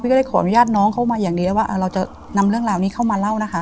ก็ได้ขออนุญาตน้องเข้ามาอย่างเดียวว่าเราจะนำเรื่องราวนี้เข้ามาเล่านะคะ